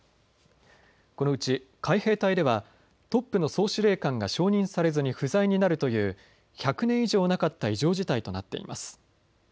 このうち海兵隊ではトップの総司令官が承認されずに不在になるという１００年以上なかった異常事態となっています。